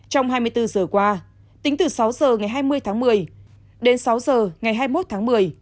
trong hai mươi bốn giờ qua tính từ sáu giờ ngày hai mươi tháng một mươi đến sáu giờ ngày hai mươi một tháng một mươi